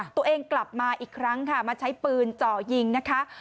ตัวเองกลับมาอีกครั้งค่ะมาใช้ปืนเจาะยิงนะคะ